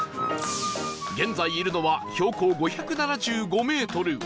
現在いるのは標高５７５メートル